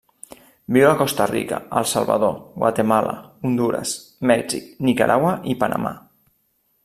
Viu a Costa Rica, El Salvador, Guatemala, Hondures, Mèxic, Nicaragua i Panamà.